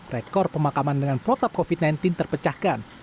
rekor pemakaman dengan protap covid sembilan belas terpecahkan